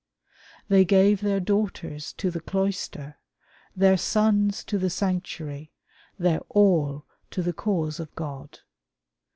They gave their daughters to the cloister, their sons to the sanctuary, their all to the cause of God.